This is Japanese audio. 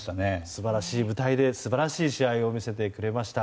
素晴らしい舞台で素晴らしい試合を見せてくれました。